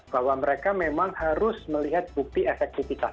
bahwa mereka memang harus melihat bukti efektivitas